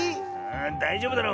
だいじょうぶだろ。